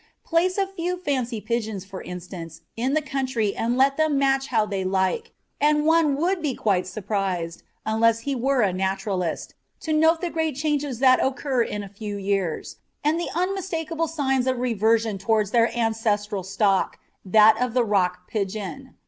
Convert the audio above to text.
Place a few fancy pigeons, for instance, in the country and let them match how they like, and one would be quite surprised, unless he were a naturalist, to note the great changes that occur in a few years, and the unmistakable signs of reversion towards their ancestral stock that of the Rock pigeon.